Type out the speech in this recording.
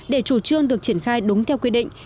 để chủ trương được triển khai đúng theo quy định